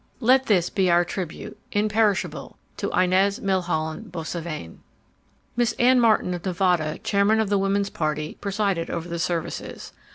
"Let this be our tribute, imperishable, to Inez Milholland Boissevain." Miss Anne Martin of Nevada, chairman of the Woman's Party, presided over the services.